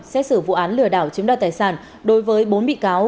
xét xử vụ án lừa đảo chiếm đoạt tài sản đối với bốn bị cáo